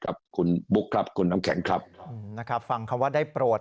ครับคุณบุ๊คครับคุณน้ำแข็งครับนะครับฟังคำว่าได้โปรด